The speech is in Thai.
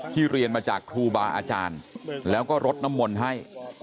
เรียนมาจากครูบาอาจารย์แล้วก็รดน้ำมนต์ให้